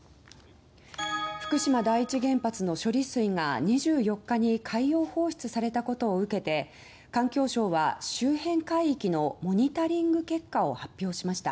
福島第一原発の処理水が２４日に海洋放出されたことを受けて環境省は周辺海域のモニタリング結果を発表しました。